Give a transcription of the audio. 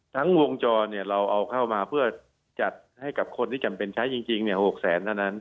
ทั้งวงจรเราเอาเข้ามาเพื่อจัดให้กับคนที่จำเป็นใช้จริง๖แสนเท่านั้น